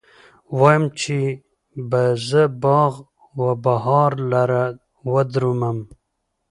وايم، چې به زه باغ و بهار لره وردرومم